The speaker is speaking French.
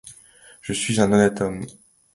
Je suis un honnête homme.